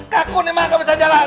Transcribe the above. kaku nih abis ajalah